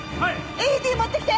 ＡＥＤ持ってきて！